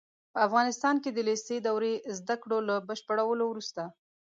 په افغانستان کې د لېسې دورې زده کړو له بشپړولو وروسته